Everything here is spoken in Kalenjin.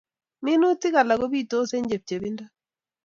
Minutik alak kopitos eng' chepchepindo